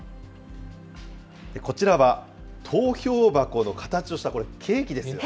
こちらは投票箱の形をしたこれ、ケーキですよ。